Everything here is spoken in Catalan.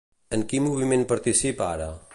En quin moviment participa ara?